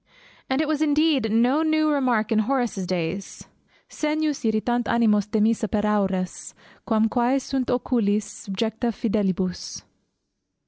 And it was indeed no new remark in Horace's days, Segnius irritant animos demissa per aures, Quam quæ sunt oculis subjecta fidelibus.